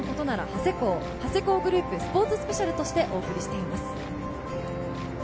長谷工グループスポーツスペシャルとしてお送りしています。